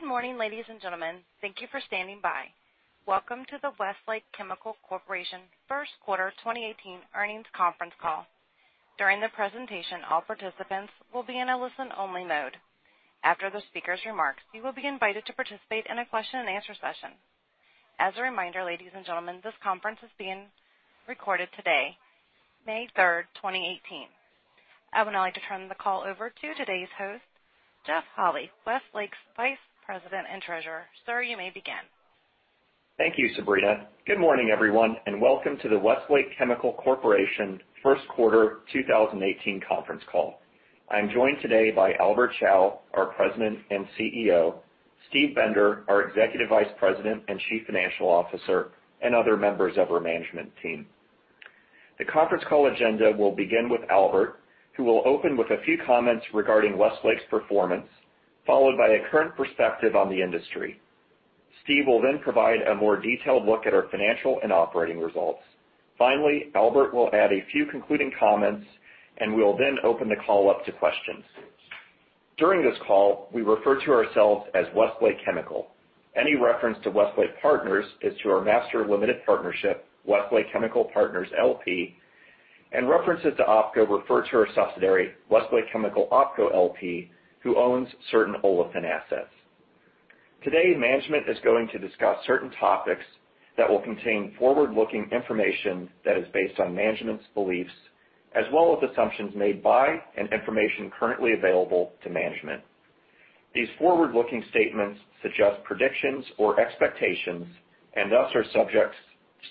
Good morning, ladies and gentlemen. Thank you for standing by. Welcome to the Westlake Chemical Corporation First Quarter 2018 Earnings Conference Call. During the presentation, all participants will be in a listen only mode. After the speaker's remarks, you will be invited to participate in a question and answer session. As a reminder, ladies and gentlemen, this conference is being recorded today, May 3rd, 2018. I would now like to turn the call over to today's host, Jeff Holy, Westlake's Vice President and Treasurer. Sir, you may begin. Thank you, Sabrina. Good morning, everyone, and welcome to the Westlake Chemical Corporation First Quarter 2018 conference call. I am joined today by Albert Chao, our President and CEO, Steve Bender, our Executive Vice President and Chief Financial Officer, and other members of our management team. The conference call agenda will begin with Albert, who will open with a few comments regarding Westlake's performance, followed by a current perspective on the industry. Steve will provide a more detailed look at our financial and operating results. Finally, Albert will add a few concluding comments, and we will then open the call up to questions. During this call, we refer to ourselves as Westlake Chemical. Any reference to Westlake Partners is to our master limited partnership, Westlake Chemical Partners, LP, and references to OpCo refer to our subsidiary, Westlake Chemical OpCo LP, who owns certain olefin assets. Today, management is going to discuss certain topics that will contain forward-looking information that is based on management's beliefs, as well as assumptions made by and information currently available to management. These forward-looking statements suggest predictions or expectations and thus are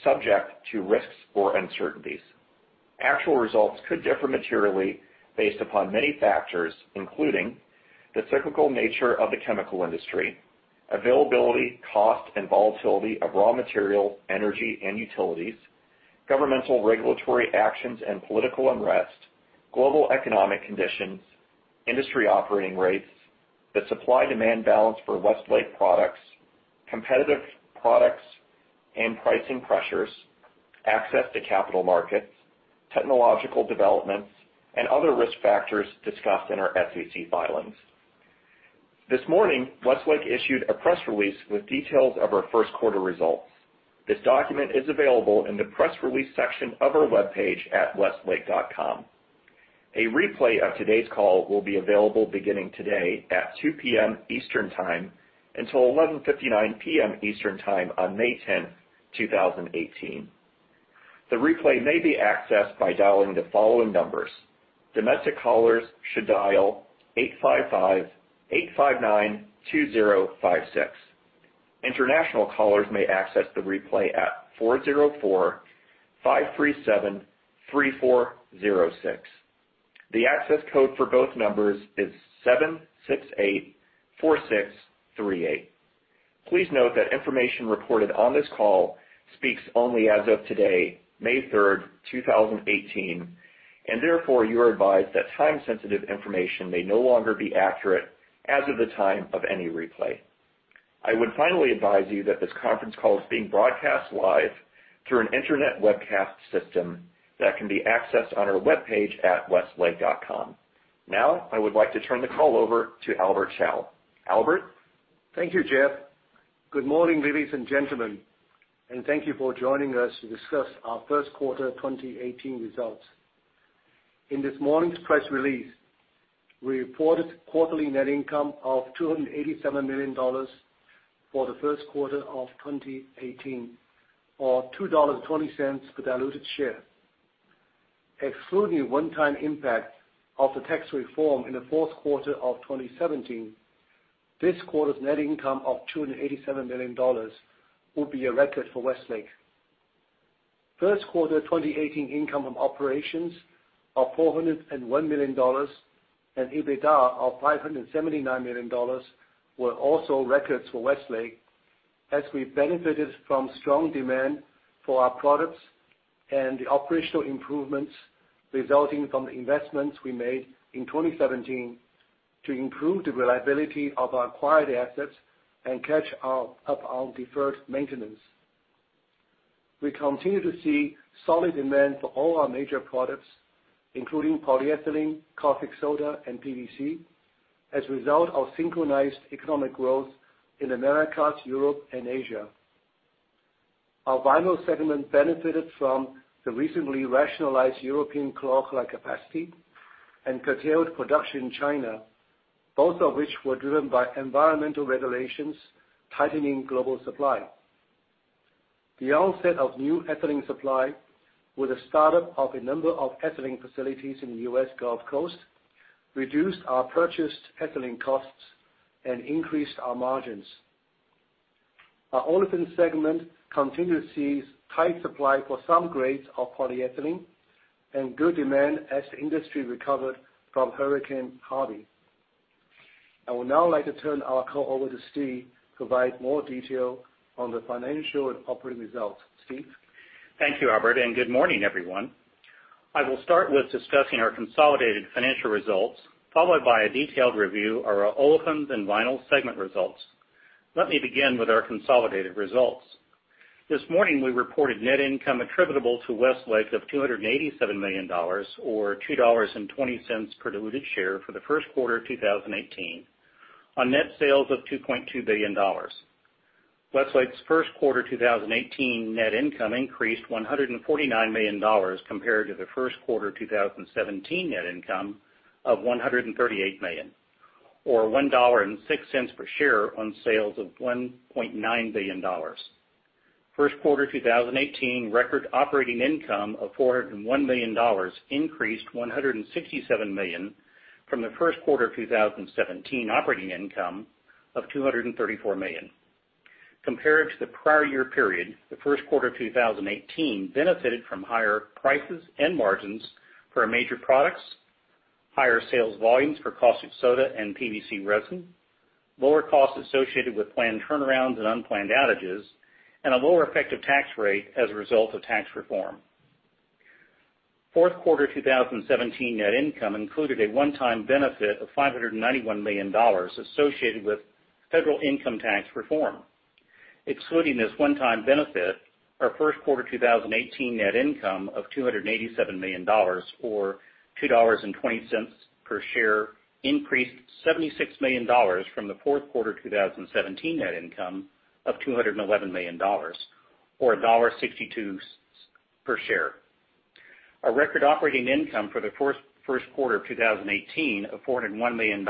subject to risks or uncertainties. Actual results could differ materially based upon many factors, including the cyclical nature of the chemical industry, availability, cost, and volatility of raw material, energy and utilities, governmental regulatory actions and political unrest, global economic conditions, industry operating rates, the supply/demand balance for Westlake products, competitive products and pricing pressures, access to capital markets, technological developments, and other risk factors discussed in our SEC filings. This morning, Westlake issued a press release with details of our first quarter results. This document is available in the press release section of our webpage at westlake.com. A replay of today's call will be available beginning today at 2:00 P.M. Eastern Time until 11:59 P.M. Eastern Time on May 10th, 2018. The replay may be accessed by dialing the following numbers. Domestic callers should dial 855-859-2056. International callers may access the replay at 404-537-3406. The access code for both numbers is 7684638. Please note that information reported on this call speaks only as of today, May 3rd, 2018, and therefore you are advised that time-sensitive information may no longer be accurate as of the time of any replay. I would finally advise you that this conference call is being broadcast live through an an internet webcast system that can be accessed on our webpage at westlake.com. I would like to turn the call over to Albert Chao. Albert? Thank you, Jeff. Good morning, ladies and gentlemen, and thank you for joining us to discuss our first quarter 2018 results. In this morning's press release, we reported quarterly net income of $287 million for the first quarter of 2018, or $2.20 per diluted share. Excluding the one-time impact of the tax reform in the fourth quarter of 2017, this quarter's net income of $287 million will be a record for Westlake. First quarter 2018 income from operations of $401 million and EBITDA of $579 million were also records for Westlake as we benefited from strong demand for our products and the operational improvements resulting from the investments we made in 2017 to improve the reliability of our acquired assets and catch up on deferred maintenance. We continue to see solid demand for all our major products, including polyethylene, caustic soda, and PVC as a result of synchronized economic growth in Americas, Europe, and Asia. Our vinyl segment benefited from the recently rationalized European chlor-alkali capacity and curtailed production in China, both of which were driven by environmental regulations tightening global supply. The onset of new ethylene supply with the startup of a number of ethylene facilities in the U.S. Gulf Coast reduced our purchased ethylene costs and increased our margins. Our olefin segment continues to see tight supply for some grades of polyethylene and good demand as the industry recovered from Hurricane Harvey. I would now like to turn our call over to Steve to provide more detail on the financial and operating results. Steve? Thank you, Albert. Good morning, everyone. I will start with discussing our consolidated financial results, followed by a detailed review of our olefins and vinyl segment results. Let me begin with our consolidated results. This morning, we reported net income attributable to Westlake of $287 million, or $2.20 per diluted share for the first quarter of 2018, on net sales of $2.2 billion. Westlake's first quarter 2018 net income increased $149 million compared to the first quarter 2017 net income of $138 million, or $1.06 per share on sales of $1.9 billion. First quarter 2018 record operating income of $401 million increased $167 million from the first quarter 2017 operating income of $234 million. Compared to the prior year period, the first quarter 2018 benefited from higher prices and margins for our major products, higher sales volumes for caustic soda and PVC resin, lower costs associated with planned turnarounds and unplanned outages, and a lower effective tax rate as a result of tax reform. Fourth quarter 2017 net income included a one-time benefit of $591 million associated with federal income tax reform. Excluding this one-time benefit, our first quarter 2018 net income of $287 million, or $2.20 per share, increased $76 million from the fourth quarter 2017 net income of $211 million, or $1.62 per share. Our record operating income for the first quarter of 2018 of $401 million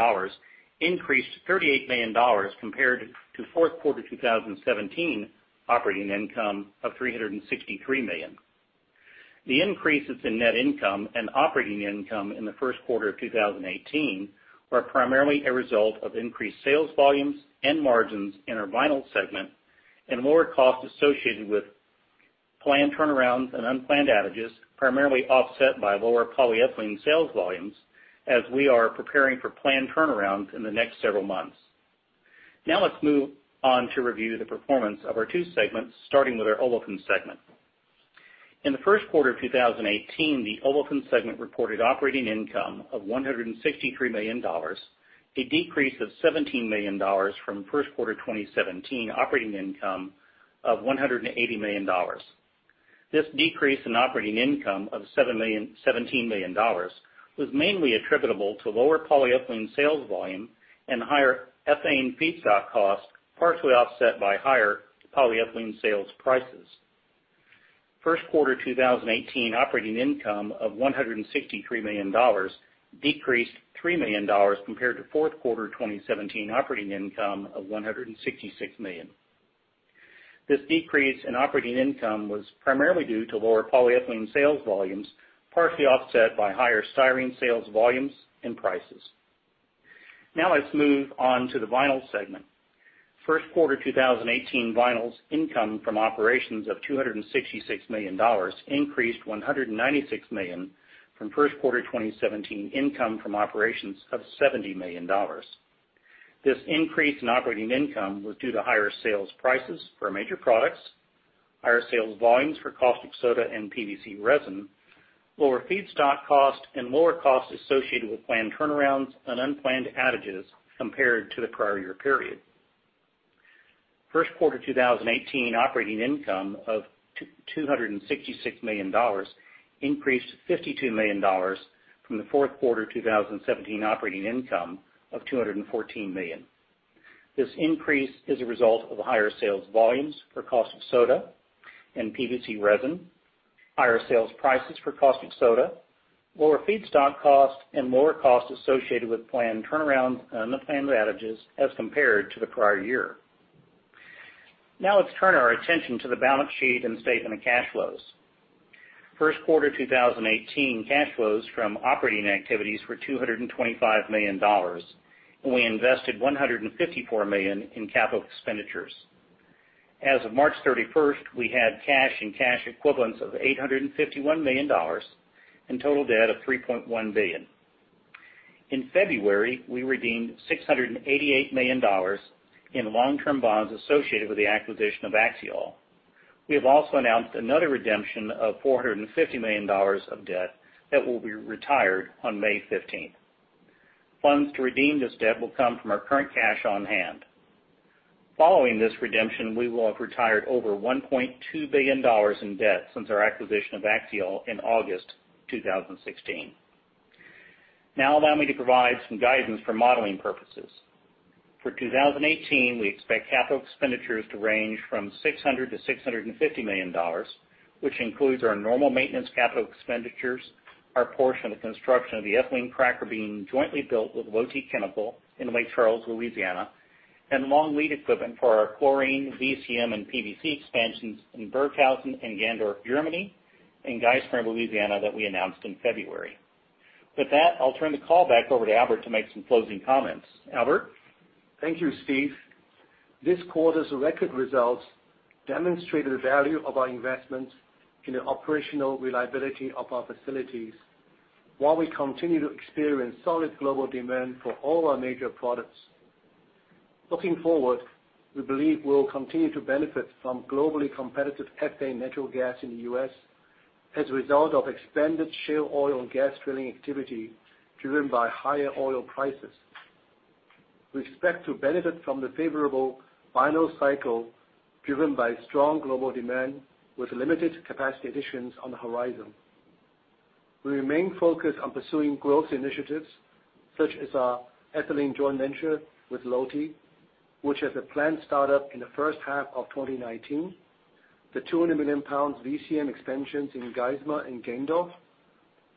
increased to $38 million compared to fourth quarter 2017 operating income of $363 million. The increases in net income and operating income in the first quarter of 2018 were primarily a result of increased sales volumes and margins in our Vinyls segment and lower costs associated with planned turnarounds and unplanned outages, primarily offset by lower polyethylene sales volumes as we are preparing for planned turnarounds in the next several months. Let's move on to review the performance of our two segments, starting with our Olefins segment. In the first quarter of 2018, the Olefins segment reported operating income of $163 million, a decrease of $17 million from first quarter 2017 operating income of $180 million. This decrease in operating income of $17 million was mainly attributable to lower polyethylene sales volume and higher ethane feedstock costs, partially offset by higher polyethylene sales prices. First quarter 2018 operating income of $163 million decreased $3 million compared to fourth quarter 2017 operating income of $166 million. This decrease in operating income was primarily due to lower polyethylene sales volumes, partially offset by higher styrene sales volumes and prices. Let's move on to the Vinyls segment. First quarter 2018 Vinyls income from operations of $266 million increased $196 million from first quarter 2017 income from operations of $70 million. This increase in operating income was due to higher sales prices for our major products, higher sales volumes for caustic soda and PVC resin, lower feedstock costs, and lower costs associated with planned turnarounds and unplanned outages compared to the prior year period. First quarter 2018 operating income of $266 million increased to $52 million from the fourth quarter 2017 operating income of $214 million. This increase is a result of higher sales volumes for caustic soda and PVC resin, higher sales prices for caustic soda, lower feedstock costs, and lower costs associated with planned turnarounds and unplanned outages as compared to the prior year. Let's turn our attention to the balance sheet and statement of cash flows. First quarter 2018 cash flows from operating activities were $225 million, and we invested $154 million in capital expenditures. As of March 31st, we had cash and cash equivalents of $851 million and total debt of $3.1 billion. In February, we redeemed $688 million in long-term bonds associated with the acquisition of Axiall. We have also announced another redemption of $450 million of debt that will be retired on May 15th. Funds to redeem this debt will come from our current cash on hand. Following this redemption, we will have retired over $1.2 billion in debt since our acquisition of Axiall in August 2016. Now allow me to provide some guidance for modeling purposes. For 2018, we expect capital expenditures to range from $600 million-$650 million, which includes our normal maintenance capital expenditures, our portion of the construction of the ethylene cracker being jointly built with Lotte Chemical in Lake Charles, Louisiana, and long lead equipment for our chlorine, VCM, and PVC expansions in Burghausen and Ganderkesee, Germany, and Geismar, Louisiana, that we announced in February. With that, I'll turn the call back over to Albert to make some closing comments. Albert? Thank you, Steve. This quarter's record results demonstrate the value of our investments in the operational reliability of our facilities while we continue to experience solid global demand for all our major products. Looking forward, we believe we will continue to benefit from globally competitive ethane natural gas in the U.S. as a result of expanded shale oil and gas drilling activity driven by higher oil prices. We expect to benefit from the favorable vinyl cycle driven by strong global demand with limited capacity additions on the horizon. We remain focused on pursuing growth initiatives such as our ethylene joint venture with Lotte, which has a planned startup in the first half of 2019, the 200 million pounds VCM expansions in Geismar and Gendorf,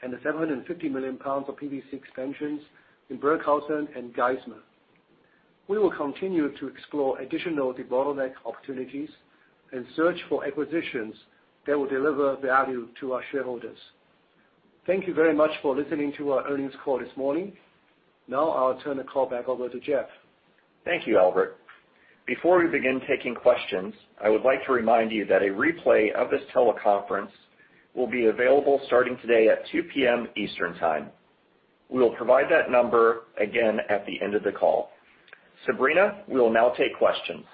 and the 750 million pounds of PVC expansions in Burghausen and Geismar. We will continue to explore additional debottleneck opportunities and search for acquisitions that will deliver value to our shareholders. Thank you very much for listening to our earnings call this morning. Now I'll turn the call back over to Jeff. Thank you, Albert. Before we begin taking questions, I would like to remind you that a replay of this teleconference will be available starting today at 2:00 P.M. Eastern Time. We will provide that number again at the end of the call. Sabrina, we will now take questions.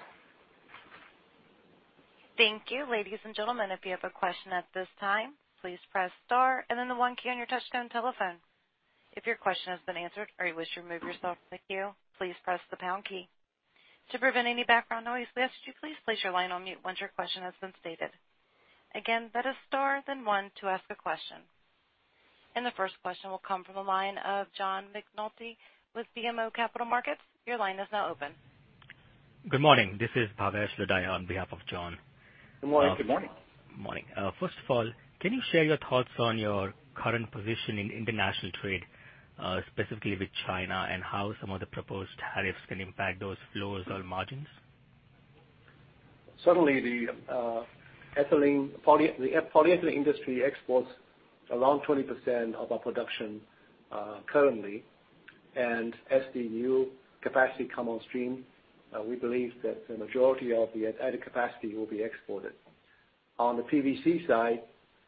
Thank you. Ladies and gentlemen, if you have a question at this time, please press star and then the one key on your touch-tone telephone. If your question has been answered or you wish to remove yourself from the queue, please press the pound key. To prevent any background noise, we ask that you please place your line on mute once your question has been stated. Again, that is star then one to ask a question. The first question will come from the line of John McNulty with BMO Capital Markets. Your line is now open. Good morning. This is Bhavesh Lodaya on behalf of John. Good morning. Good morning. Morning. First of all, can you share your thoughts on your current position in international trade, specifically with China, and how some of the proposed tariffs can impact those flows or margins? Certainly, the polyethylene industry exports around 20% of our production currently. As the new capacity come on stream, we believe that the majority of the added capacity will be exported. On the PVC side,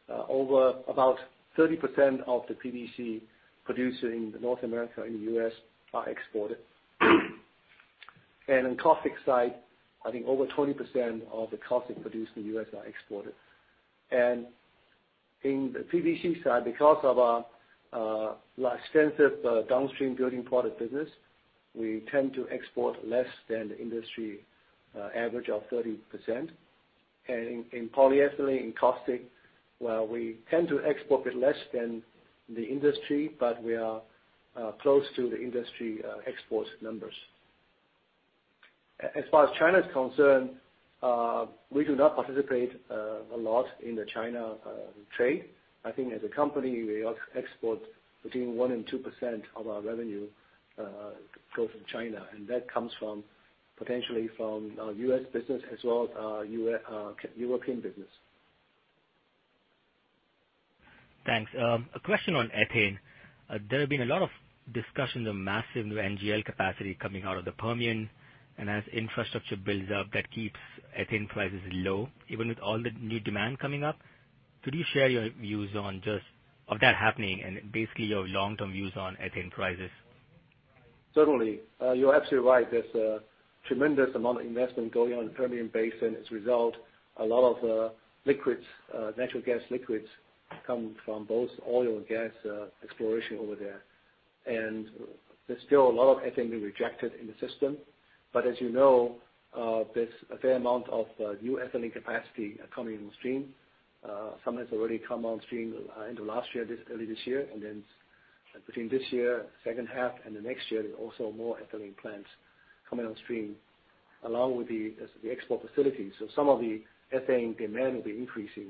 over about 30% of the PVC produced in North America, in the U.S., are exported. On caustic side, I think over 20% of the caustic produced in the U.S. are exported. In the PVC side, because of our extensive downstream building product business, we tend to export less than the industry average of 30%. In polyethylene, in caustic, while we tend to export a bit less than the industry, but we are close to the industry export numbers. As far as China is concerned, we do not participate a lot in the China trade. I think as a company, we export between 1% and 2% of our revenue goes from China, and that comes potentially from our U.S. business as well as our European business. Thanks. A question on ethane. There have been a lot of discussions on massive NGL capacity coming out of the Permian, and as infrastructure builds up, that keeps ethane prices low, even with all the new demand coming up. Could you share your views on just of that happening and basically your long-term views on ethane prices? Certainly. You're absolutely right. There's a tremendous amount of investment going on in Permian Basin. As a result, a lot of natural gas liquids come from both oil and gas exploration over there. There's still a lot of ethane being rejected in the system. As you know, there's a fair amount of new ethylene capacity coming in the stream. Some has already come on stream end of last year, early this year, and then between this year, second half, and the next year, there's also more ethylene plants coming on stream along with the export facilities. Some of the ethane demand will be increasing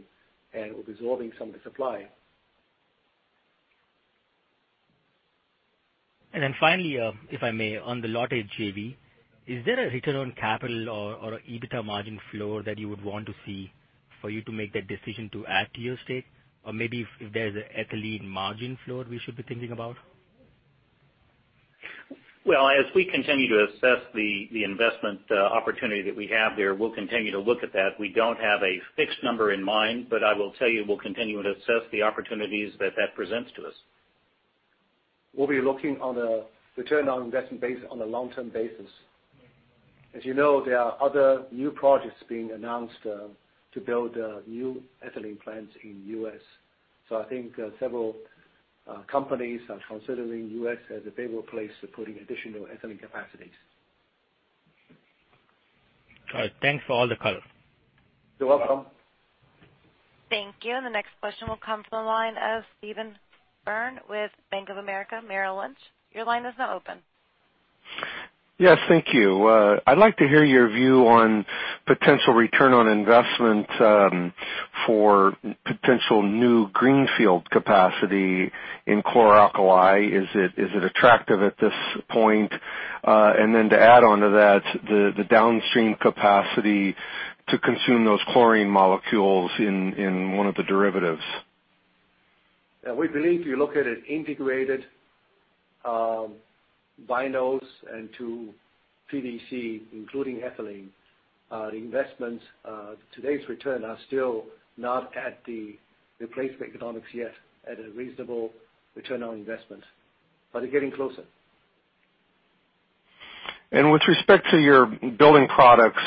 and will be absorbing some of the supply. Finally, if I may, on the Lotte JV, is there a return on capital or EBITDA margin flow that you would want to see for you to make that decision to add to your stake? Maybe if there's an ethylene margin flow we should be thinking about? Well, as we continue to assess the investment opportunity that we have there, we'll continue to look at that. We don't have a fixed number in mind, I will tell you we'll continue to assess the opportunities that that presents to us. We'll be looking on a return on investment basis on a long-term basis. As you know, there are other new projects being announced to build new ethylene plants in the U.S. I think several companies are considering the U.S. as a favorable place to put in additional ethylene capacities. All right. Thanks for all the color. You're welcome. Thank you. The next question will come from the line of Steve Byrne with Bank of America Merrill Lynch. Your line is now open. Yes, thank you. I'd like to hear your view on potential return on investment for potential new greenfield capacity in chlor-alkali. Is it attractive at this point? Then to add onto that, the downstream capacity to consume those chlorine molecules in one of the derivatives. We believe if you look at it integrated vinyls into PVC, including ethylene, the investments, today's return are still not at the replacement economics yet at a reasonable return on investment, they're getting closer. With respect to your building products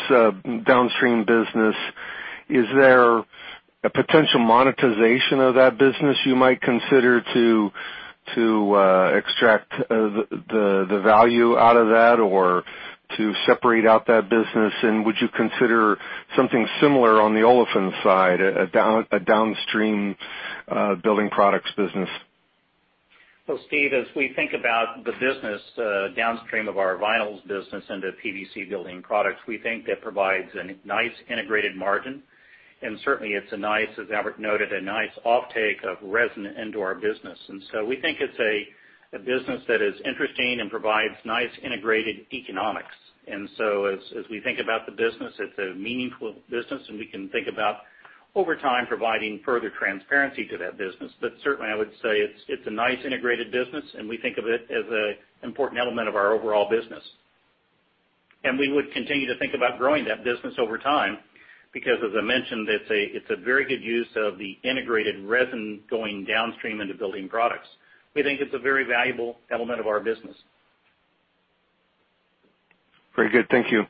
downstream business Is there a potential monetization of that business you might consider to extract the value out of that or to separate out that business? Would you consider something similar on the olefin side, a downstream building products business? Well, Steve, as we think about the business downstream of our vinyls business into PVC building products, we think it provides a nice integrated margin. Certainly it's, as Albert noted, a nice offtake of resin into our business. We think it's a business that is interesting and provides nice integrated economics. As we think about the business, it's a meaningful business, and we can think about, over time, providing further transparency to that business. Certainly I would say it's a nice integrated business, and we think of it as an important element of our overall business. We would continue to think about growing that business over time because as I mentioned, it's a very good use of the integrated resin going downstream into building products. We think it's a very valuable element of our business. Very good. Thank you.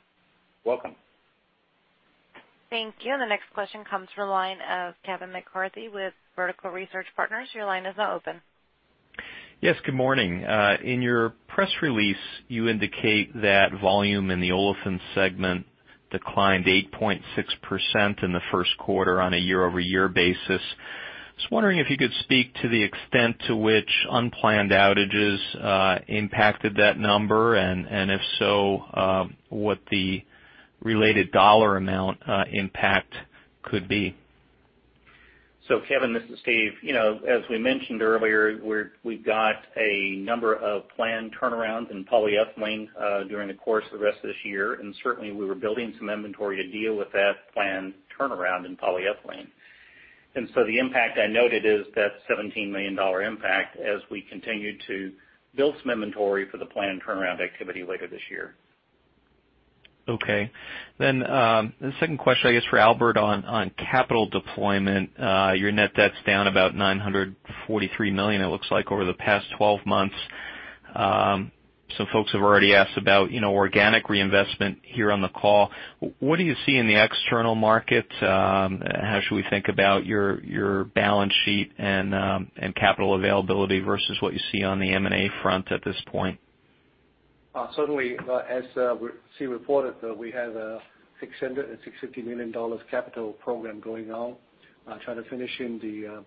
Welcome. Thank you. The next question comes from the line of Kevin McCarthy with Vertical Research Partners. Your line is now open. Yes, good morning. In your press release, you indicate that volume in the olefin segment declined 8.6% in the first quarter on a year-over-year basis. Just wondering if you could speak to the extent to which unplanned outages impacted that number, and if so, what the related dollar amount impact could be. Kevin, this is Steve. As we mentioned earlier, we've got a number of planned turnarounds in polyethylene during the course of the rest of this year, certainly we were building some inventory to deal with that planned turnaround in polyethylene. The impact I noted is that $17 million impact as we continue to build some inventory for the planned turnaround activity later this year. The second question I guess for Albert on capital deployment. Your net debt's down about $943 million it looks like over the past 12 months. Some folks have already asked about organic reinvestment here on the call. What do you see in the external market? How should we think about your balance sheet and capital availability versus what you see on the M&A front at this point? Certainly. As Steve reported, we have a $650 million capital program going on, trying to finish in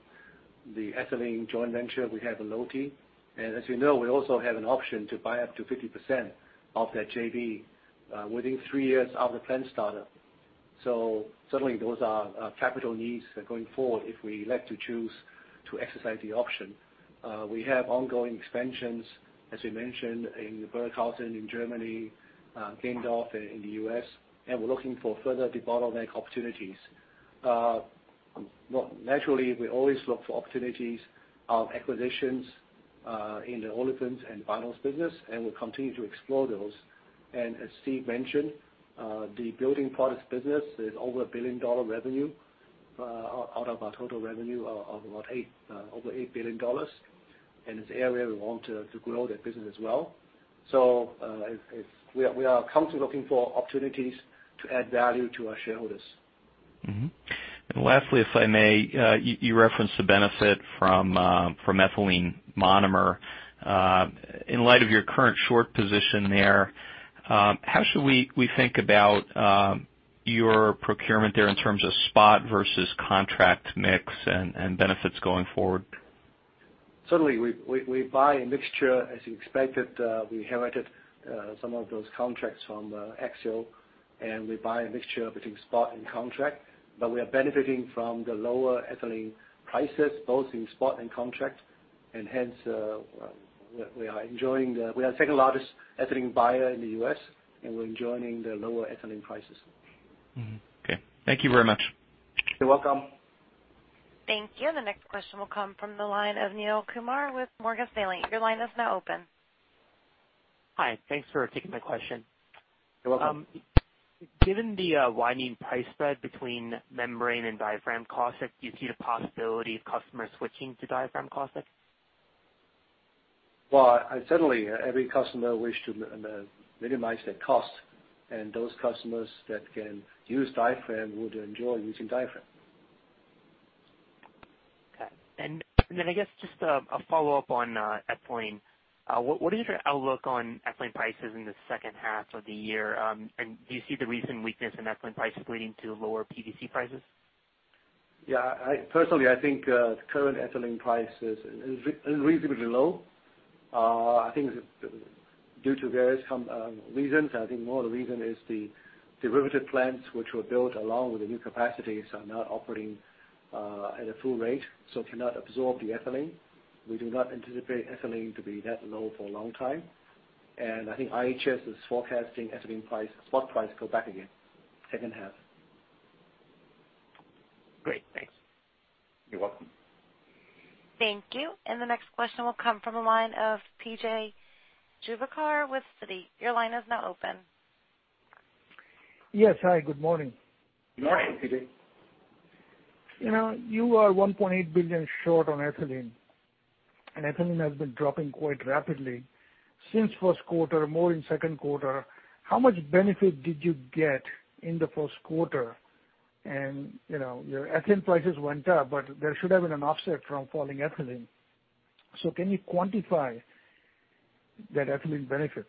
the ethylene joint venture we have in Lotte. As you know, we also have an option to buy up to 50% of that JV within three years of the planned startup. Certainly those are capital needs going forward if we elect to choose to exercise the option. We have ongoing expansions, as we mentioned, in Burghausen in Germany, Gendorf in the U.S., we're looking for further debottleneck opportunities. Naturally, we always look for opportunities of acquisitions in the olefins and vinyls business, we'll continue to explore those. As Steve mentioned, the building products business is over a $1 billion revenue out of our total revenue of over $8 billion. It's an area we want to grow that business as well. We are constantly looking for opportunities to add value to our shareholders. Lastly, if I may, you referenced the benefit from ethylene monomer. In light of your current short position there, how should we think about your procurement there in terms of spot versus contract mix and benefits going forward? Certainly, we buy a mixture. As you expected, we inherited some of those contracts from Axiall, we buy a mixture between spot and contract, we are benefiting from the lower ethylene prices both in spot and contract, hence, we are the second largest ethylene buyer in the U.S., we're enjoying the lower ethylene prices. Okay. Thank you very much. You're welcome. Thank you. The next question will come from the line of Neel Kumar with Morgan Stanley. Your line is now open. Hi. Thanks for taking my question. You're welcome. Given the widening price spread between membrane and diaphragm caustics, do you see the possibility of customers switching to diaphragm caustics? Well, certainly every customer wish to minimize their cost, and those customers that can use diaphragm would enjoy using diaphragm. Okay. I guess just a follow-up on ethylene. What is your outlook on ethylene prices in the second half of the year? Do you see the recent weakness in ethylene prices leading to lower PVC prices? Yeah. Personally, I think the current ethylene price is unreasonably low. I think due to various reasons. I think more the reason is the derivative plants which were built along with the new capacities are not operating at a full rate, so cannot absorb the ethylene. We do not anticipate ethylene to be that low for a long time. I think IHS is forecasting ethylene spot price to go back again second half. Great. Thanks. You're welcome. Thank you. The next question will come from the line of P.J. Juvekar with Citi. Your line is now open. Yes. Hi, good morning. Good morning, PJ. You are $1.8 billion short on ethylene has been dropping quite rapidly since Q1, more in Q2. How much benefit did you get in the first quarter? Your ethylene prices went up, but there should have been an offset from falling ethylene. Can you quantify that ethylene benefit?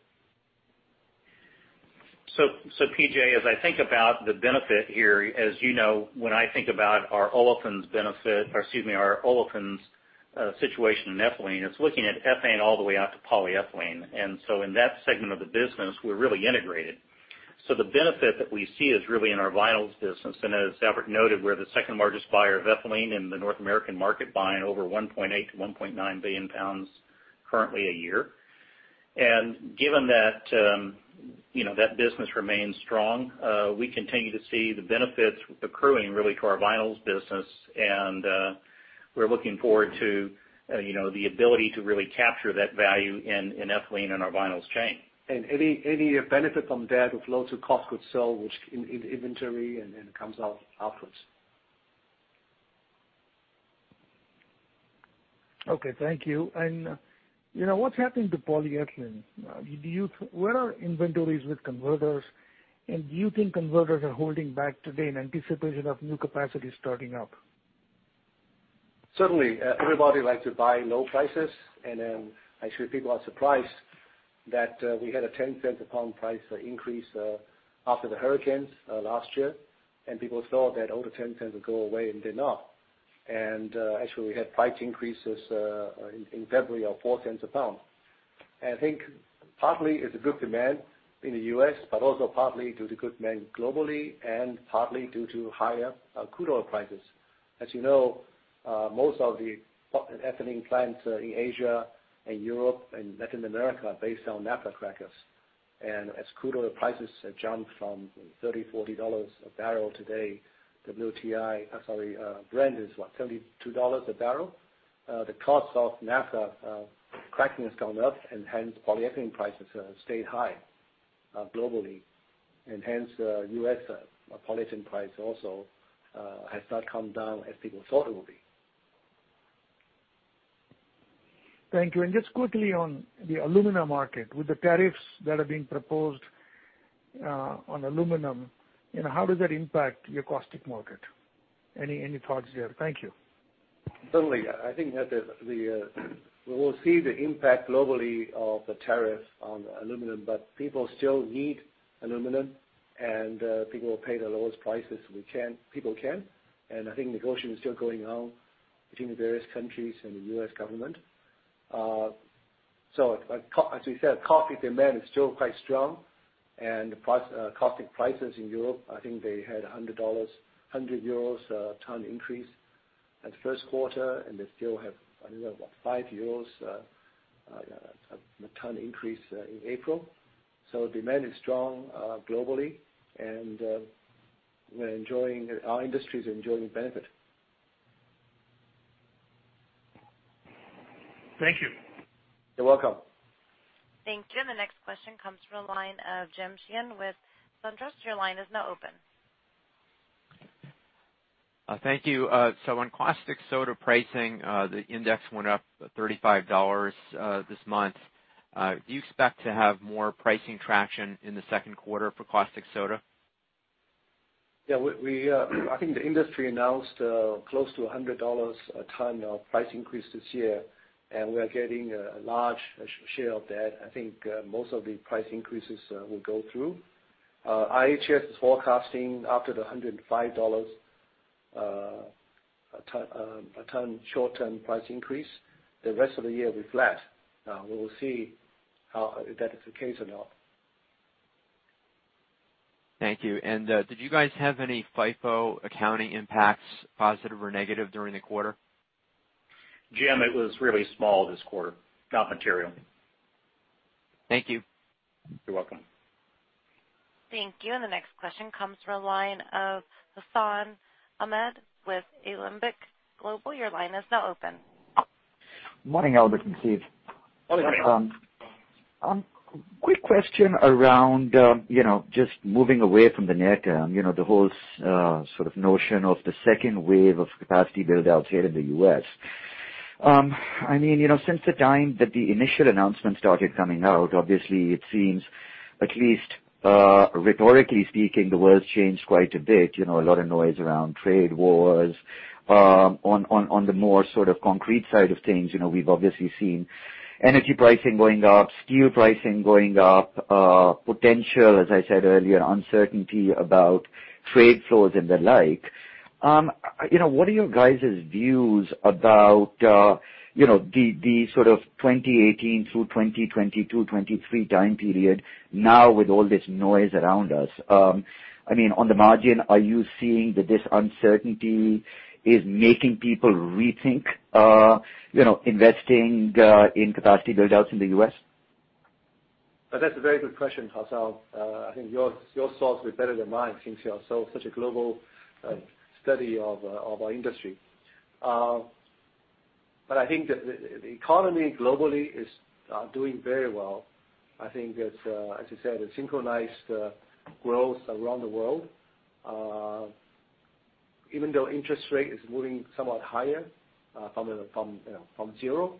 PJ, as I think about the benefit here, as you know, when I think about our olefins situation in ethylene, it is looking at ethane all the way out to polyethylene. In that segment of the business, we are really integrated. The benefit that we see is really in our vinyls business. As Albert noted, we are the second largest buyer of ethylene in the North American market, buying over 1.8 billion-1.9 billion pounds currently a year. Given that that business remains strong, we continue to see the benefits accruing really to our vinyls business. We are looking forward to the ability to really capture that value in ethylene in our vinyls chain. Any benefit from that with lower to cost could sell, which in inventory and comes out upwards. Okay, thank you. What is happening to polyethylene? Where are inventories with converters? Do you think converters are holding back today in anticipation of new capacity starting up? Certainly. Everybody likes to buy low prices, actually, people are surprised that we had a $0.10 a pound price increase after the hurricanes last year. People thought that all the $0.10 would go away and did not. Actually, we had price increases in February of $0.04 a pound. I think partly it is a good demand in the U.S., but also partly due to good demand globally and partly due to higher crude oil prices. As you know, most of the ethylene plants in Asia and Europe and Latin America are based on naphtha crackers. As crude oil prices have jumped from $30, $40 a barrel, today, Brent is what? $72 a barrel. The cost of naphtha cracking has gone up, hence polyethylene prices have stayed high globally. Hence U.S. polyethylene price also has not come down as people thought it would be. Thank you. Just quickly on the alumina market, with the tariffs that are being proposed on aluminum, how does that impact your caustic market? Any thoughts there? Thank you. Certainly. I think that we will see the impact globally of the tariff on aluminum. People still need aluminum, and people will pay the lowest prices people can. I think negotiation is still going on between the various countries and the U.S. government. As we said, caustic demand is still quite strong, and the caustic prices in Europe, I think they had EUR 100 a ton increase at first quarter, and they still have, I don't know, what, 5 euros a ton increase in April. Demand is strong globally, and our industry is enjoying benefit. Thank you. You're welcome. Thank you. The next question comes from the line of Jim Sheehan with SunTrust. Your line is now open. Thank you. On caustic soda pricing, the index went up $35 this month. Do you expect to have more pricing traction in the second quarter for caustic soda? Yeah. I think the industry announced close to $100 a ton of price increase this year, and we are getting a large share of that. I think most of the price increases will go through. IHS is forecasting up to the $105 a ton short-term price increase. The rest of the year will be flat. We will see if that is the case or not. Thank you. Did you guys have any FIFO accounting impacts, positive or negative, during the quarter? Jim, it was really small this quarter. Not material. Thank you. You're welcome. Thank you. The next question comes from the line of Hassan Ahmed with Alembic Global. Your line is now open. Morning, Albert and Steve. Morning. Quick question around just moving away from the near term, the whole sort of notion of the second wave of capacity build-outs here in the U.S. Since the time that the initial announcement started coming out, obviously it seems at least rhetorically speaking, the world's changed quite a bit. A lot of noise around trade wars. On the more sort of concrete side of things, we've obviously seen energy pricing going up, steel pricing going up, potential, as I said earlier, uncertainty about trade flows and the like. What are your guys' views about the sort of 2018 through 2022, 2023 time period now with all this noise around us? On the margin, are you seeing that this uncertainty is making people rethink investing in capacity build-outs in the U.S.? That's a very good question, Hassan. I think your thoughts will be better than mine since you are so such a global study of our industry. I think that the economy globally is doing very well. I think that, as you said, a synchronized growth around the world. Even though interest rate is moving somewhat higher from zero,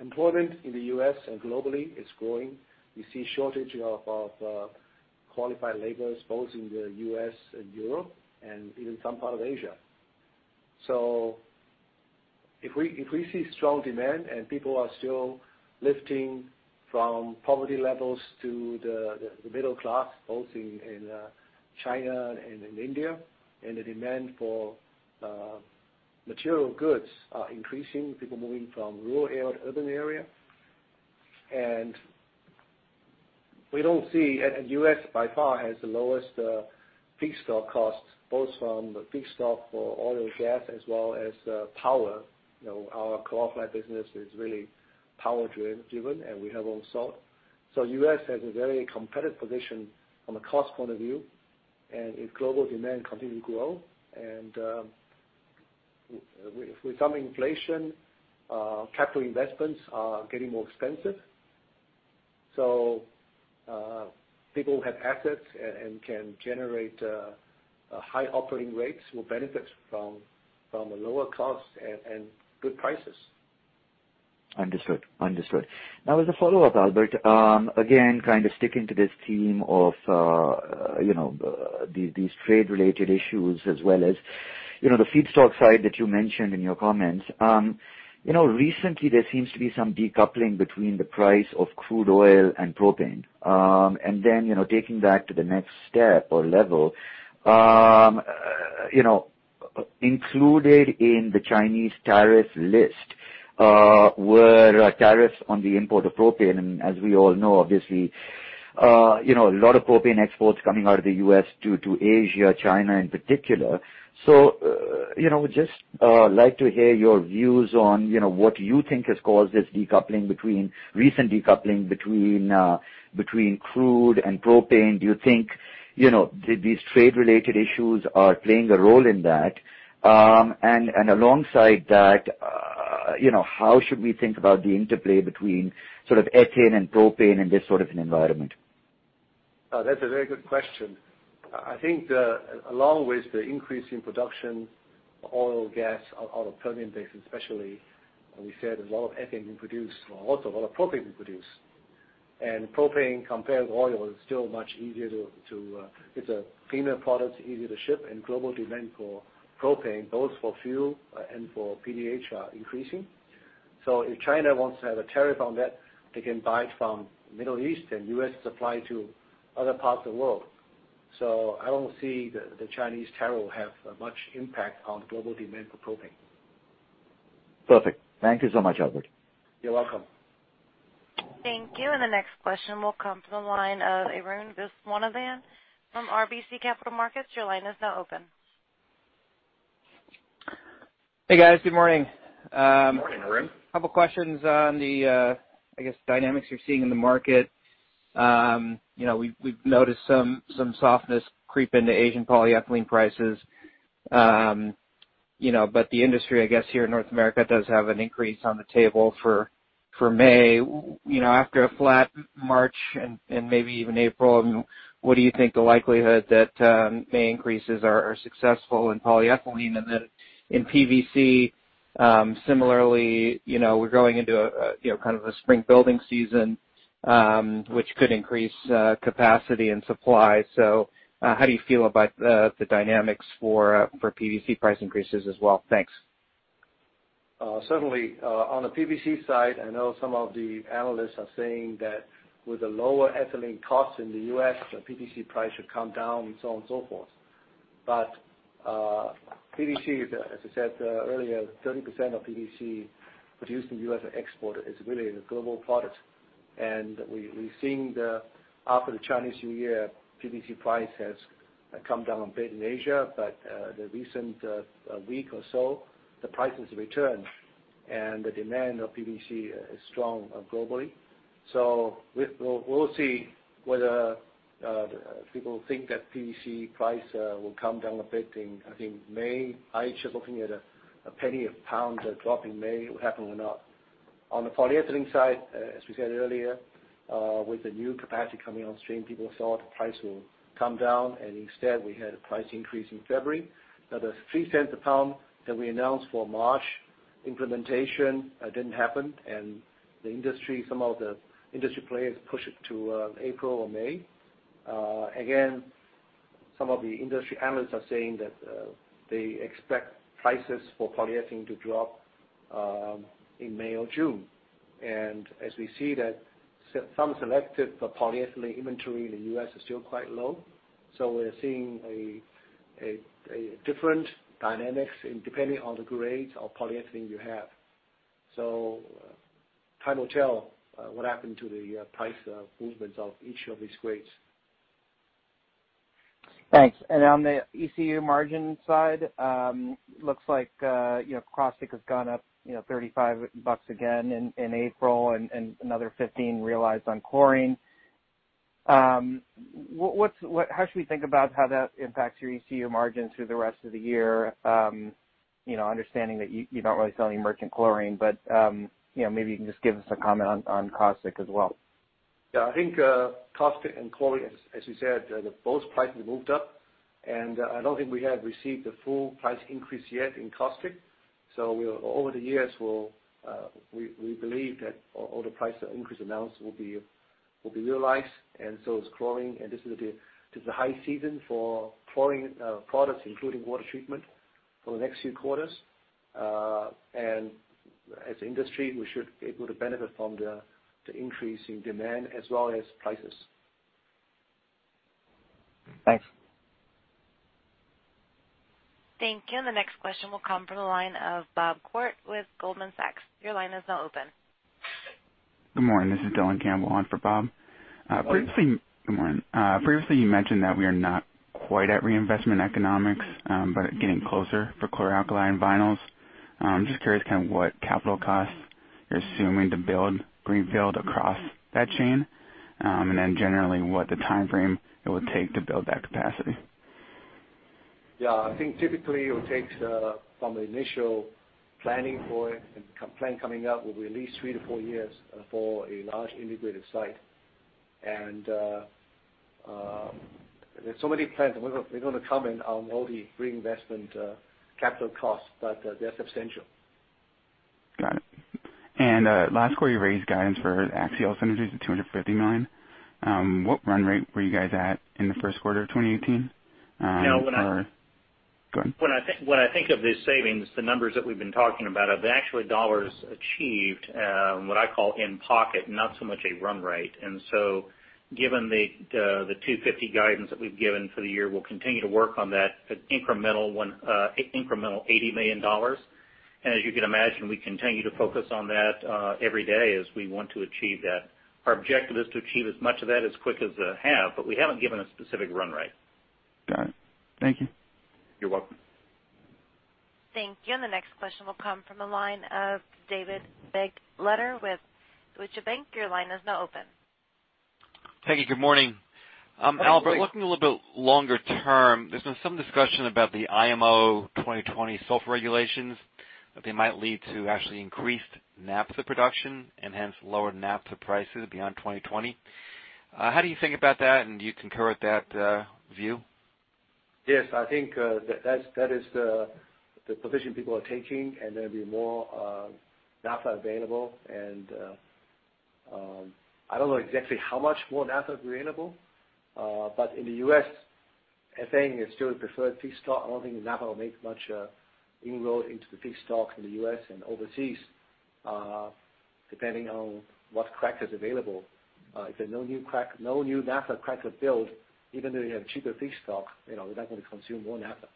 employment in the U.S. and globally is growing. We see shortage of qualified labors both in the U.S. and Europe, even some part of Asia. If we see strong demand, people are still lifting from poverty levels to the middle class, both in China and in India, the demand for material goods are increasing, people moving from rural area to urban area. We don't see. U.S. by far has the lowest feedstock costs, both from the feedstock for oil and gas as well as power. Our chlor-alkali business is really power-driven, we have own salt. U.S. has a very competitive position from a cost point of view. If global demand continue to grow and with some inflation, capital investments are getting more expensive. People who have assets and can generate high operating rates will benefit from a lower cost and good prices. Understood. As a follow-up, Albert, again, kind of sticking to this theme of these trade-related issues as well as the feedstock side that you mentioned in your comments. Recently, there seems to be some decoupling between the price of crude oil and propane. Taking that to the next step or level, included in the Chinese tariff list were tariffs on the import of propane. As we all know, obviously a lot of propane exports coming out of the U.S. to Asia, China in particular. Just like to hear your views on what you think has caused this recent decoupling between crude and propane. Do you think these trade-related issues are playing a role in that? Alongside that, how should we think about the interplay between ethane and propane in this sort of an environment? That's a very good question. I think along with the increase in production, oil, gas out of Permian Basin especially, we said a lot of ethane being produced, also a lot of propane being produced. Propane compared to oil is still a cleaner product, easier to ship, and global demand for propane, both for fuel and for PDH are increasing. If China wants to have a tariff on that, they can buy it from Middle East and U.S. supply to other parts of the world. I don't see the Chinese tariff have much impact on global demand for propane. Perfect. Thank you so much, Albert. You're welcome. Thank you. The next question will come from the line of Arun Viswanathan from RBC Capital Markets. Your line is now open. Hey, guys. Good morning. Morning, Arun. Couple questions on the, I guess, dynamics you're seeing in the market. We've noticed some softness creep into Asian polyethylene prices. The industry, I guess, here in North America does have an increase on the table for May. After a flat March and maybe even April, what do you think the likelihood that May increases are successful in polyethylene? Then in PVC, similarly, we're going into a spring building season, which could increase capacity and supply. How do you feel about the dynamics for PVC price increases as well? Thanks. Certainly, on the PVC side, I know some of the analysts are saying that with the lower ethylene cost in the U.S., the PVC price should come down, so on and so forth. PVC, as I said earlier, 30% of PVC produced in U.S. are exported. It's really a global product. We've seen the after the Chinese New Year, PVC price has come down a bit in Asia. The recent week or so, the price has returned, and the demand of PVC is strong globally. We'll see whether people think that PVC price will come down a bit in, I think May. I'm just looking at a $0.01 a pound drop in May, it will happen or not. On the polyethylene side, as we said earlier, with the new capacity coming on stream, people thought the price will come down, and instead, we had a price increase in February. Now, the $0.03 a pound that we announced for March implementation didn't happen. The industry, some of the industry players pushed it to April or May. Again, some of the industry analysts are saying that they expect prices for polyethylene to drop in May or June. As we see that some selective polyethylene inventory in the U.S. is still quite low. We're seeing a different dynamics depending on the grades of polyethylene you have. Time will tell what happen to the price movements of each of these grades. Thanks. On the ECU margin side, looks like caustic has gone up $35 again in April and another $15 realized on chlorine. How should we think about how that impacts your ECU margin through the rest of the year? Understanding that you don't really sell any merchant chlorine, but maybe you can just give us a comment on caustic as well. Yeah, I think caustic and chlorine, as you said, both prices moved up. I don't think we have received the full price increase yet in caustic. Over the years, we believe that all the price increase announced will be realized, and so is chlorine. This is the high season for chlorine products, including water treatment, for the next few quarters. As an industry, we should be able to benefit from the increase in demand as well as prices. Thanks. Thank you. The next question will come from the line of Bob Koort with Goldman Sachs. Your line is now open. Good morning. This is Dylan Campbell on for Bob. Good morning. Good morning. Previously, you mentioned that we are not quite at reinvestment economics, but getting closer for chloralkali and vinyls. I'm just curious what capital costs you're assuming to build, rebuild across that chain. Generally, what the timeframe it would take to build that capacity. Yeah. I think typically it takes from initial planning for it, and plan coming out, will be at least 3-4 years for a large integrated site. There's so many plans. We're not going to comment on all the reinvestment capital costs, but they're substantial. Got it. Last quarter, you raised guidance for Axiall synergies to $250 million. What run rate were you guys at in the first quarter of 2018? Now. Go ahead. When I think of the savings, the numbers that we've been talking about of actually dollars achieved, what I call in pocket, not so much a run rate. Given the 250 guidance that we've given for the year, we'll continue to work on that incremental $80 million. As you can imagine, we continue to focus on that every day as we want to achieve that. Our objective is to achieve as much of that as quick as we have, but we haven't given a specific run rate. Got it. Thank you. You're welcome. Thank you. The next question will come from the line of David Begleiter with Deutsche Bank. Your line is now open. Thank you. Good morning. Good morning. Albert, looking a little bit longer term, there's been some discussion about the IMO 2020 sulfur regulations, that they might lead to actually increased naphtha production and hence lower naphtha prices beyond 2020. How do you think about that, and do you concur with that view? Yes. I think that is the position people are taking, there'll be more naphtha available. I don't know exactly how much more naphtha available. In the U.S., ethane is still the preferred feedstock. I don't think naphtha will make much inroad into the feedstock in the U.S. and overseas, depending on what crack is available. If there's no new naphtha cracker built, even though you have cheaper feedstock, we're not going to consume more naphtha.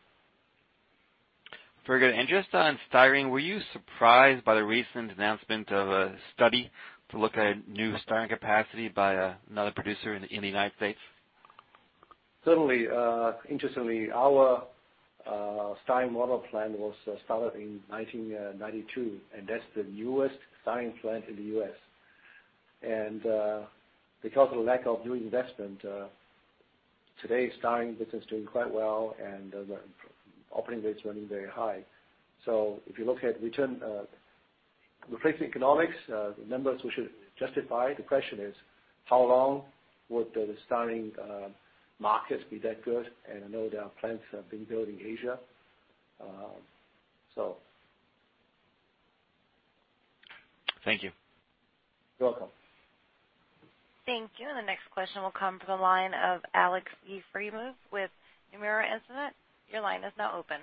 Very good. Just on styrene, were you surprised by the recent announcement of a study to look at new styrene capacity by another producer in the U.S.? Certainly. Interestingly, our styrene model plant was started in 1992, and that's the newest styrene plant in the U.S. Because of the lack of new investment, today styrene business is doing quite well, and the operating rate's running very high. If you look at return on investment economics, the numbers we should justify, the question is, how long would the styrene markets be that good? I know there are plants that have been built in Asia. Thank you. You're welcome. Thank you. The next question will come from the line of Aleksey Yefremov with Nomura Instinet. Your line is now open.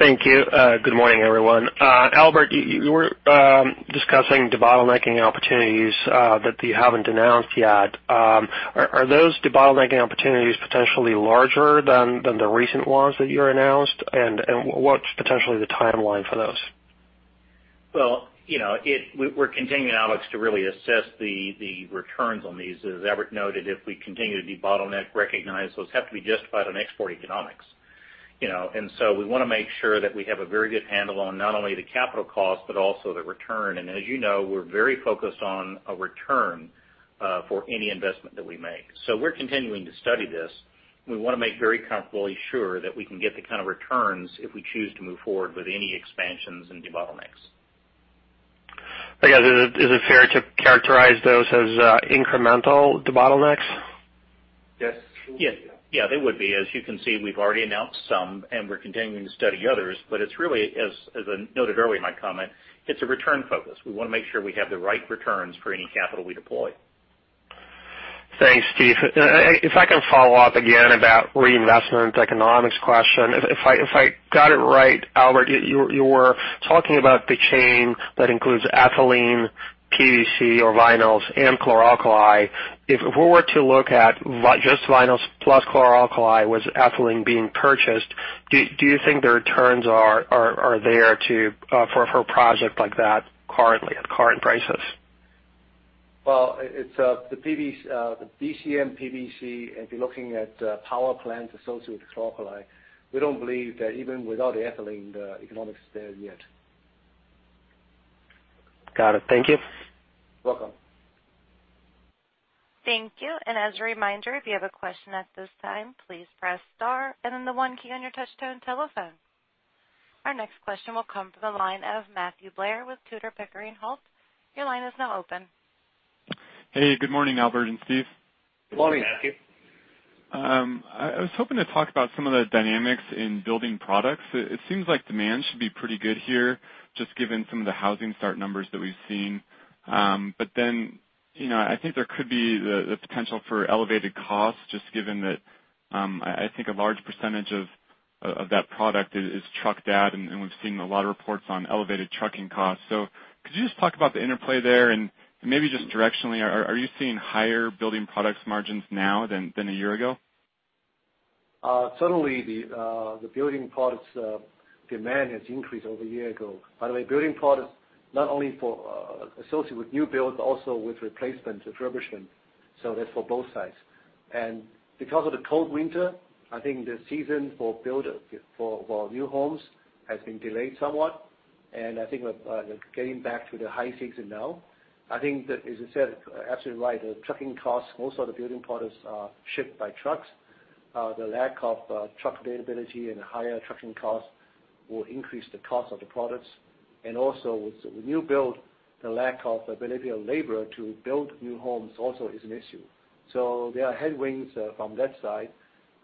Thank you. Good morning, everyone. Albert, you were discussing debottlenecking opportunities that you haven't announced yet. Are those debottlenecking opportunities potentially larger than the recent ones that you announced? What's potentially the timeline for those? Well, we're continuing, Alex, to really assess the returns on these. As Albert noted, if we continue to debottleneck, recognize those have to be justified on export economics. So we want to make sure that we have a very good handle on not only the capital costs, but also the return. As you know, we're very focused on a return for any investment that we make. We're continuing to study this, and we want to make very comfortably sure that we can get the kind of returns if we choose to move forward with any expansions and debottlenecks. I guess, is it fair to characterize those as incremental debottlenecks? Yes. Yes. They would be. As you can see, we've already announced some, and we're continuing to study others. It's really, as I noted earlier in my comment, it's a return focus. We want to make sure we have the right returns for any capital we deploy. Thanks, Steve. If I can follow up again about reinvestment economics question. If I got it right, Albert, you were talking about the chain that includes ethylene, PVC or vinyls, and chlor-alkali. If we were to look at just vinyls plus chlor-alkali with ethylene being purchased, do you think the returns are there for a project like that currently at current prices? The VCM, PVC, if you're looking at power plants associated with chlor-alkali, we don't believe that even without ethylene, the economics is there yet. Got it. Thank you. Welcome. Thank you. As a reminder, if you have a question at this time, please press star and then the one key on your touch-tone telephone. Our next question will come from the line of Matthew Blair with Tudor, Pickering Holt. Your line is now open. Hey, good morning, Albert and Steve. Good morning, Matthew. I was hoping to talk about some of the dynamics in building products. It seems like demand should be pretty good here, just given some of the housing start numbers that we've seen. I think there could be the potential for elevated costs, just given that I think a large percentage of that product is trucked out, and we've seen a lot of reports on elevated trucking costs. Could you just talk about the interplay there, and maybe just directionally, are you seeing higher building products margins now than a year ago? Certainly, the building products demand has increased over a year ago. By the way, building products, not only associated with new builds, but also with replacement, refurbishment. That's for both sides. Because of the cold winter, I think the season for new homes has been delayed somewhat, and I think we're getting back to the high season now. I think that as you said, absolutely right, the trucking costs, most of the building products are shipped by trucks. The lack of truck availability and higher trucking costs will increase the cost of the products. Also, with the new build, the lack of availability of labor to build new homes also is an issue. There are headwinds from that side.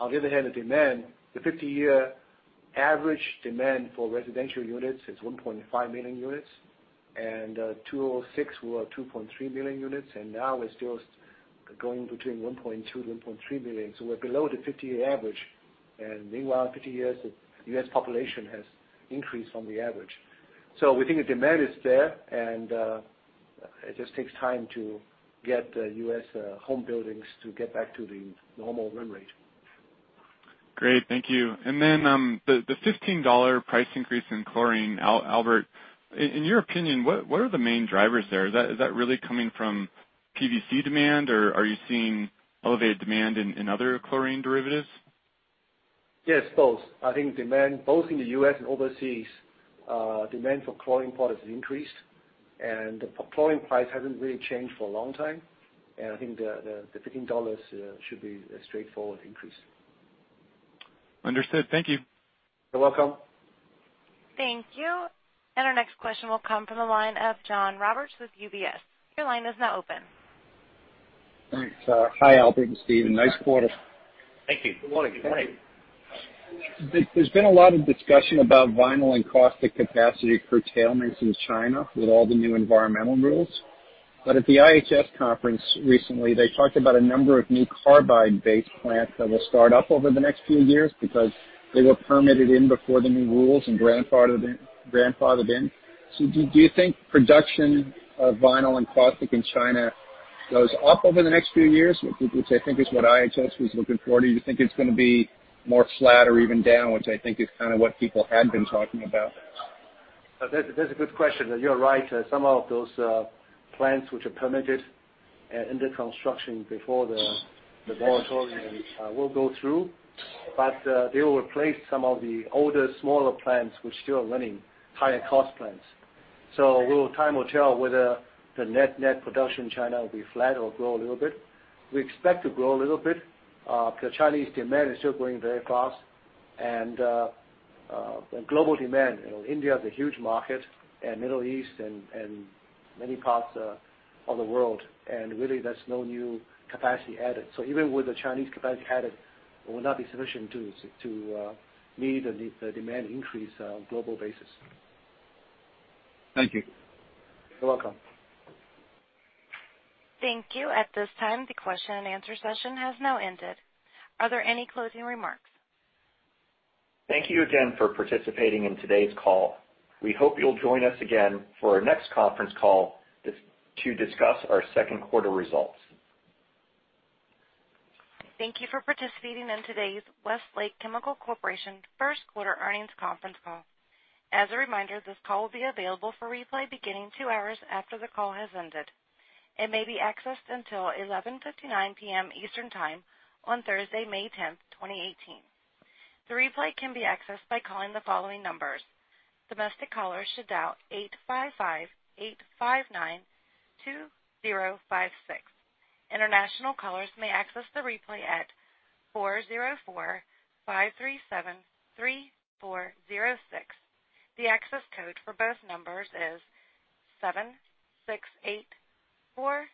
On the other hand, the demand, the 50-year average demand for residential units is 1.5 million units. 2006 were 2.3 million units. Now it's just going between 1.2 to 1.3 million. We're below the 50-year average. Meanwhile, in 50 years, the U.S. population has increased on the average. We think the demand is there, and it just takes time to get U.S. home buildings to get back to the normal run rate. Great. Thank you. The $15 price increase in chlorine, Albert, in your opinion, what are the main drivers there? Is that really coming from PVC demand, or are you seeing elevated demand in other chlorine derivatives? Yes, both. I think demand, both in the U.S. and overseas, demand for chlorine products has increased. The chlorine price hasn't really changed for a long time. I think the $15 should be a straightforward increase. Understood. Thank you. You're welcome. Thank you. Our next question will come from the line of John Roberts with UBS. Your line is now open. Thanks. Hi Albert and Steve. Nice quarter. Thank you. Good morning. There's been a lot of discussion about vinyl and caustic capacity curtailments in China with all the new environmental rules. At the IHS conference recently, they talked about a number of new carbide-based plants that will start up over the next few years because they were permitted in before the new rules and grandfathered in. Do you think production of vinyl and caustic in China goes up over the next few years, which I think is what IHS was looking for? Do you think it's going to be more flat or even down, which I think is kind of what people had been talking about? That's a good question, and you're right. Some of those plants, which are permitted and under construction before the moratorium will go through. They will replace some of the older, smaller plants, which are still running, higher cost plants. Time will tell whether the net production in China will be flat or grow a little bit. We expect to grow a little bit. The Chinese demand is still growing very fast, and global demand. India is a huge market, and Middle East, and many parts of the world. Really there's no new capacity added. Even with the Chinese capacity added, it will not be sufficient to meet the demand increase on a global basis. Thank you. You're welcome. Thank you. At this time, the question and answer session has now ended. Are there any closing remarks? Thank you again for participating in today's call. We hope you'll join us again for our next conference call to discuss our second quarter results. Thank you for participating in today's Westlake Chemical Corporation first quarter earnings conference call. As a reminder, this call will be available for replay beginning two hours after the call has ended. It may be accessed until 11:59 P.M. Eastern Time on Thursday, May 10th, 2018. The replay can be accessed by calling the following numbers. Domestic callers should dial 855-859-2056. International callers may access the replay at 404-537-3406. The access code for both numbers is 7684638.